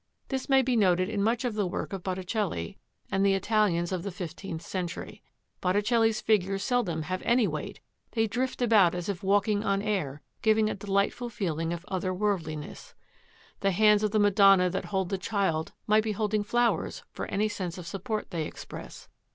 This may be noted in much of the work of Botticelli and the Italians of the fifteenth century. Botticelli's figures seldom have any weight; they drift about as if walking on air, giving a delightful feeling of otherworldliness. The hands of the Madonna that hold the Child might be holding flowers for any sense of support they express.